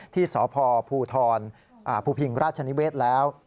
ที่สพภูทรภูพิงราชนิเวศแล้ว